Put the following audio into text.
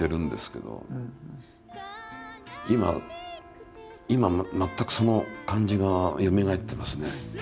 今今全くその感じがよみがえってますね。